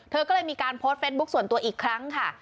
เธอก็เลยมีการโพสต์เฟซบุ๊คส่วนตัวอีกครั้งค่ะ